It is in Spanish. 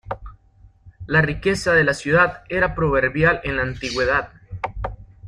La riqueza de la ciudad era proverbial en la Antigüedad.